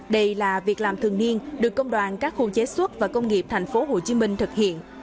đây là việc làm thường niên được công đoàn các khu chế xuất và công nghiệp thành phố hồ chí minh thực hiện